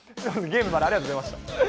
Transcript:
ゲームまでありがとうございました。